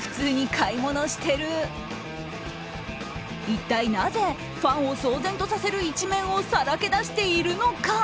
一体なぜファンを騒然とさせる一面をさらけ出しているのか。